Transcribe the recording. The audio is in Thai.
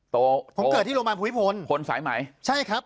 โตผมเกิดที่โรงพยาบาลผู้วิทย์พลคนสายใหม่ใช่ครับ